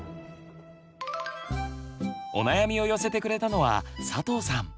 お悩みを寄せてくれたのは佐藤さん。